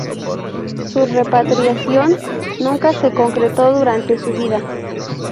Su repatriación nunca se concretó durante su vida.